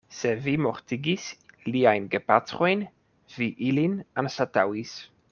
Se vi mortigis liajn gepatrojn, vi ilin anstataŭis.